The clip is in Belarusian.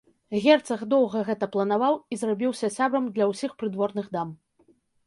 Герцаг доўга гэта планаваў і зрабіўся сябрам для ўсіх прыдворных дам.